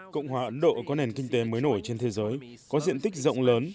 cộng hòa ấn độ có nền kinh tế mới nổi trên thế giới có diện tích rộng lớn